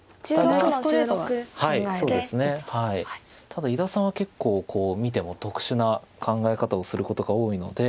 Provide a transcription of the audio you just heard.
ただ伊田さんは結構見ても特殊な考え方をすることが多いので。